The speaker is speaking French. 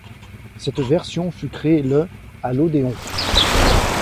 Cette version fut créée le à l'Odéon.